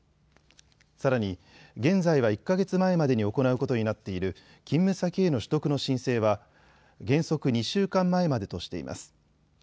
さらに現在は１か月前までに行うことになっている勤務先への取得の申請は原則２週間前までとしています。